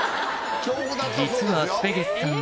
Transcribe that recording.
実はスペゲスさん